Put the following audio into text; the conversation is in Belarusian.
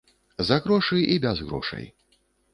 За грошы і без грошай.